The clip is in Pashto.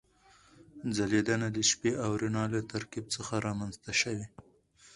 ځلېدنه د شپې او رڼا له ترکیب څخه رامنځته شوې.